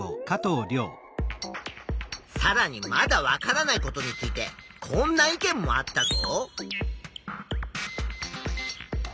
さらにまだ分からないことについてこんな意見もあったぞ。